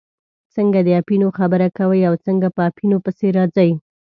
څنګه د اپینو خبره کوئ او څنګه په اپینو پسې راځئ.